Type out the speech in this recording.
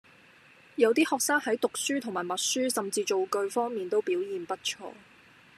有啲學生喺讀書同埋默寫甚至造句方面都表現不錯